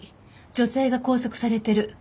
女性が拘束されてる。